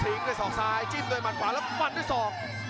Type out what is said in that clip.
ทิ้งด้วยสองซ้ายจิ้มด้วยหมันขวาแล้วปั่นด้วยสอง